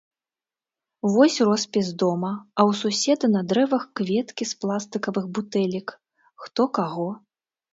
Вось роспіс дома, а ў суседа на дрэвах кветкі з пластыкавых бутэлек, хто каго?